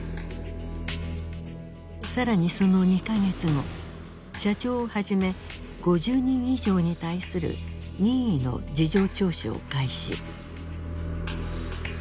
更にその２か月後社長をはじめ５０人以上に対する任意の事情聴取を開始。